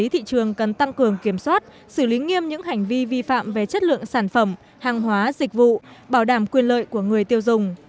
thị trường cần tăng cường kiểm soát xử lý nghiêm những hành vi vi phạm về chất lượng sản phẩm hàng hóa dịch vụ bảo đảm quyền lợi của người tiêu dùng